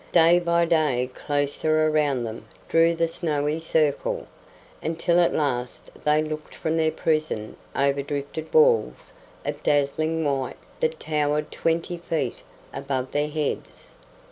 Day by day closer around them drew the snowy circle, until at last they looked from their prison over drifted walls of dazzling white that towered twenty feet above their heads.